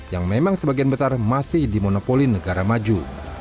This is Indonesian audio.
yang memang sebagian besar masih dimonopoli negara maju